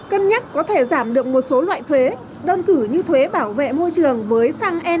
cân nhắc có thể giảm được một số loại thuế đơn cử như thuế bảo vệ môi trường với xăng e năm chín mươi hai